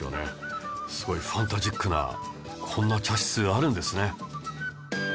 すごいファンタジックなこんな茶室あるんですね。